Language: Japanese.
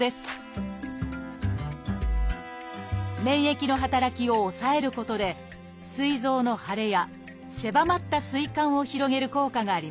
免疫の働きを抑えることですい臓の腫れや狭まったすい管を広げる効果があります